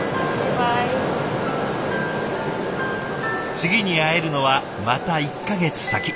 次に会えるのはまた１か月先。